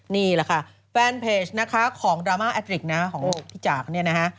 นี่แหละค่ะแฟนเพจนะคะของดราม่าแอดริกนะของพี่จากเนี่ยนะฮะ